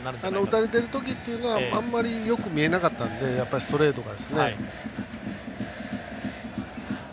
打たれている時はあんまりよく見えなかったのでストレートが。